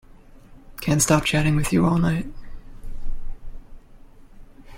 Can't stop chatting with you all night.